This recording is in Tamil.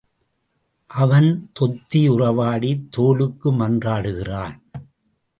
அவன் தொத்தி உறவாடித் தோலுக்கு மன்றாடுகிறான்.